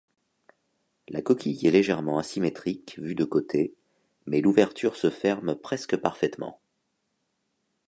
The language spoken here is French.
La coquille est légèrement asymétrique vue de côté mais l'ouverture se ferme presque parfaitement.